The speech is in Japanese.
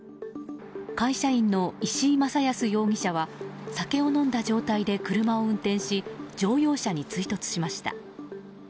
会社員の石井雅恭容疑者は酒を飲んだ状態で車を運転し乗用車に追突しました。